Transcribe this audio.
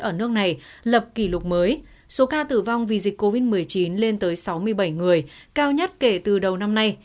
ở nước này lập kỷ lục mới số ca tử vong vì dịch covid một mươi chín lên tới sáu mươi bảy người cao nhất kể từ đầu năm nay